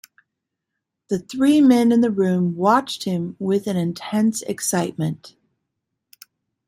The three men in the room watched him with an intense excitement.